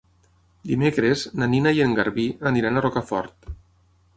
Dimecres na Nina i en Garbí aniran a Rocafort.